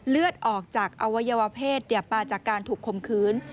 เลือดออกจากอวัยวเพศมาจากการถูกคมคืน